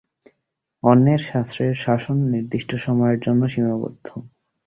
অন্যান্য শাস্ত্রের শাসন নির্দিষ্ট সময়ের জন্য সীমাবদ্ধ।